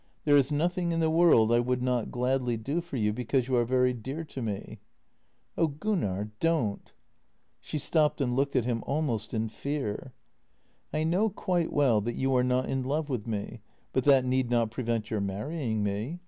There is nothing in the world I would not gladly do for you, because you are very dear to me." " Oh, Gunnar, don't! " She stopped and looked at him al most in fear. " I know quite well that you are not in love with me, but that need not prevent your marrying me.